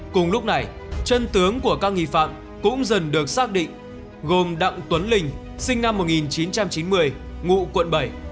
cùng lúc này chân tướng của các nghi phạm cũng dần được xác định gồm đặng tuấn linh sinh năm một nghìn chín trăm chín mươi ngụ quận bảy